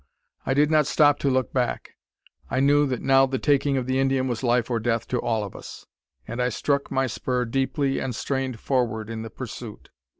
I did not stop to look back. I knew that now the taking of the Indian was life or death to all of us; and I struck my spur deeply, and strained forward in the pursuit.